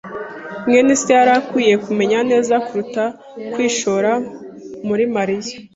mwene se yari akwiye kumenya neza kuruta kwishora muri Mariya.